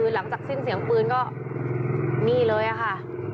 หลังจากสิ้นเสียงปืนก็นี่เลยค่ะ